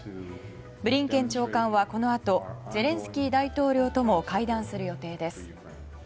ブリンケン長官はこのあとゼレンスキー大統領とも会談する予定です。